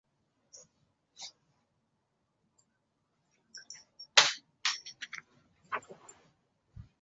小桃纻